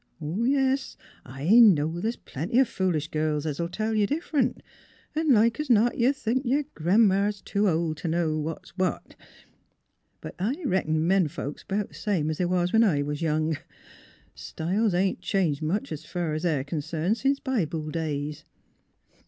— ^Yes, I know the's plenty of foolish girls as '11 tell you different ; an' like 's not you think your Gran 'ma's too old t' know what's what. But I reckon men folks 's 'bout the same 's they was when I was young; in fact, styles ain't changed much, es fur es they're concerned, since Bible days.